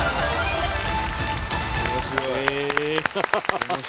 面白い。